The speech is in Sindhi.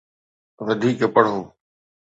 وڌيڪ پڙهو